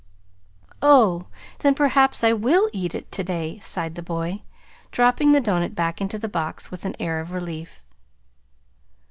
"Oh, then perhaps I WILL eat it to day," sighed the boy, dropping the doughnut back into the box with an air of relief.